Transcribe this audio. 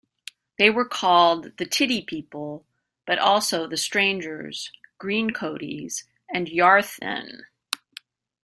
They were 'called the Tiddy people', but also "the Strangers", "Greencoaties" and "Yarthin".